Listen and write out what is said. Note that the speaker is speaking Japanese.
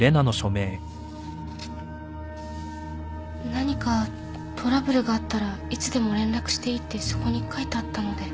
何かトラブルがあったらいつでも連絡していいってそこに書いてあったので。